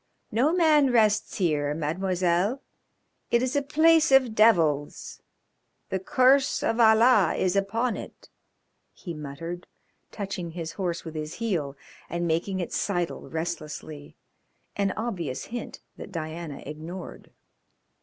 "No man rests here, Mademoiselle. It is the place of devils. The curse of Allah is upon it," he muttered, touching his horse with his heel, and making it sidle restlessly an obvious hint that Diana ignored.